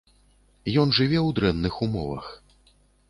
Ён жыве ў дрэнных умовах.